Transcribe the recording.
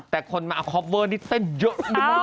แต่คนมาอัพฟอาร์ดนี้เต้นเยอะอยู่มาก